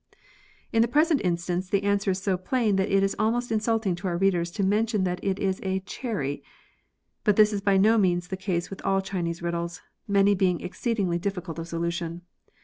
In the present instance the answer is so plain that it is almost insulting to our readers to mention that it is " a cherry," but this is by no means the case with all Chinese riddles, many being exceedingly difficult of solution.